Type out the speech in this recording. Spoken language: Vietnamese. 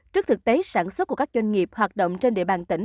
trước thực tế sản xuất của các doanh nghiệp hoạt động trên địa bàn tỉnh